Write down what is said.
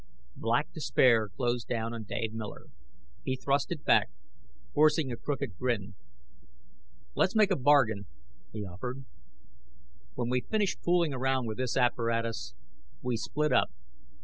Black despair closed down on Dave Miller. He thrust it back, forcing a crooked grin. "Let's make a bargain," he offered. "When we finish fooling around with this apparatus, we split up.